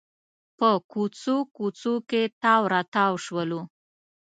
په کوڅو کوڅو کې تاو راتاو شولو.